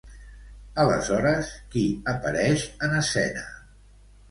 Aleshores, qui apareix en escena?